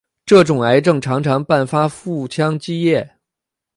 这种癌症常常伴发腹腔积液。